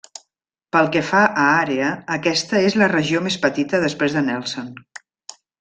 Pel que fa a àrea, aquesta és la regió més petita després de Nelson.